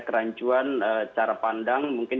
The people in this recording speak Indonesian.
kerancuan cara pandang mungkin